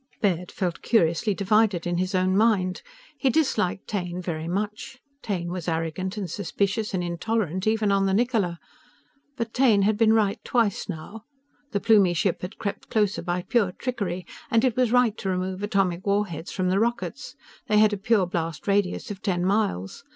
_" Baird felt curiously divided in his own mind. He disliked Taine very much. Taine was arrogant and suspicious and intolerant even on the Niccola. But Taine had been right twice, now. The Plumie ship had crept closer by pure trickery. And it was right to remove atomic war heads from the rockets. They had a pure blast radius of ten miles.